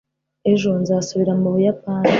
ejo nzasubira mu buyapani